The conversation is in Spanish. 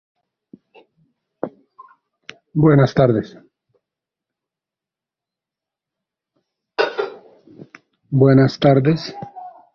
Tampoco está claro lo que pasó en esta disputa.